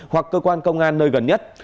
hoặc cơ quan công an nơi gần nhất